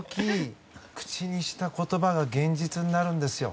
口にした言葉が現実になるんですよ。